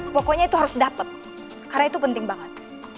pokoknya itu harus dapat karena itu penting banget